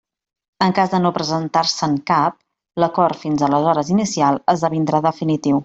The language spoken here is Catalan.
En cas de no presentar-se'n cap, l'acord, fins aleshores inicial, esdevindrà definitiu.